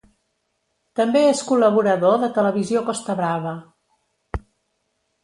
També és col·laborador de Televisió Costa Brava.